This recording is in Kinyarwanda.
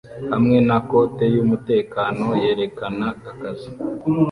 hamwe na kote yumutekano yerekana akazi